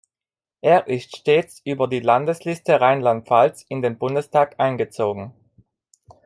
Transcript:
Er ist stets über die Landesliste Rheinland-Pfalz in den Bundestag eingezogen.